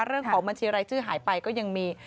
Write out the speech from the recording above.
เรื่องของบัญชีรายชื่อหายไปก็ยังมี